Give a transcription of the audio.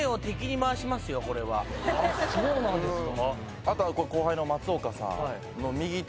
そうなんですか？